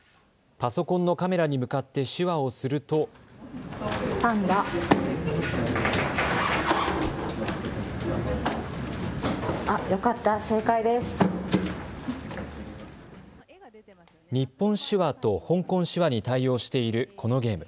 パソコンのカメラに向かって手話をすると、日本手話と香港手話に対応しているこのゲーム。